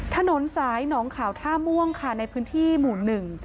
ถนนสายหนองข่าวท่าม่วงค่ะในพื้นที่หมู่หนึ่ง